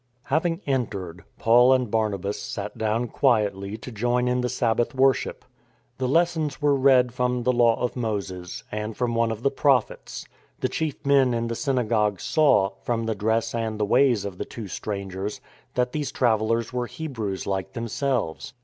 Having entered, Paul and Barnabas sat down quietly to join in the Sabbath worship. The lessons were read from the Law of Moses ^ and from one of the prophets. The chief men in the synagogue saw, from the dress and the ways of the two strangers, that these travellers were Hebrews like themselves.